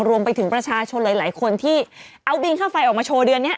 รวมไปถึงประชาชนหลายคนที่เอาบินค่าไฟออกมาโชว์เดือนนี้